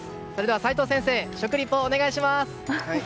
齋藤先生、試食をお願いします。